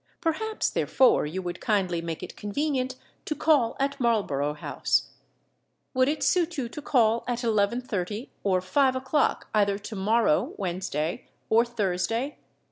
Perhaps, therefore, you would kindly make it convenient to call at Marlborough House. Would it suit you to call at 11.30 or 5 o'clock either to morrow (Wednesday) or Thursday?